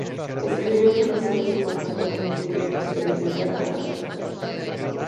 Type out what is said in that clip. Escribió que los seres humanos podían y debían experimentar a Dios directamente.